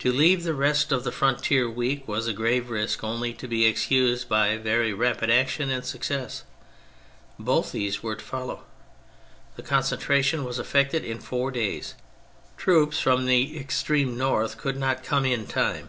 To leave the rest of the frontier weak was a grave risk only to be excused by very rapid action and success : both these were to follow. The concentra tion was effected in four days. Troops from the extreme north could not come in time.